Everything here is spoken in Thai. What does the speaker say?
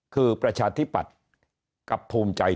คือประชาธิปัตย์กับภูมิใจ